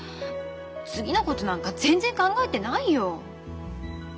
次のことなんか全然考えてないよ。